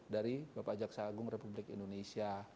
dari bapak jaksa agung republik indonesia